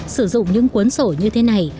sử dụng những cuốn sổ như thế này